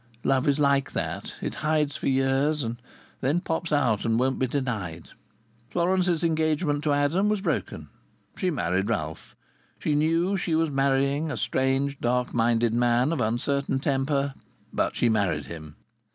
Love is like that. It hides for years, and then pops out, and won't be denied. Florence's engagement to Adam was broken. She married Ralph. She knew she was marrying a strange, dark minded man of uncertain temper, but she married him.